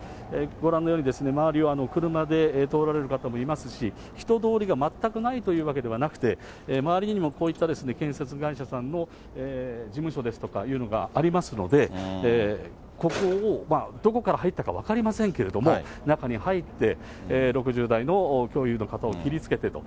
ご覧のように周りを車で通られる方もいますし、人通りが全くないというわけではなくて、周りにもこういった建設会社さんの事務所ですとかいうのがありますので、ここを、どこから入ったか分かりませんけれども、中に入って、６０代の教諭の方を切りつけてと。